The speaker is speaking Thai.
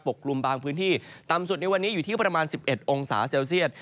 กลุ่มบางพื้นที่ต่ำสุดในวันนี้อยู่ที่ประมาณ๑๑องศาเซลเซียต